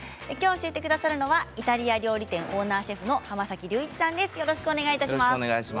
教えてくださるのはイタリア料理店オーナーシェフの濱崎龍一さんです。